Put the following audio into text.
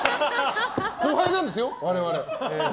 後輩なんですよ、我々。